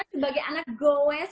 sebagai anak goes